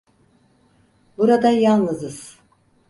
Burada yalnızız.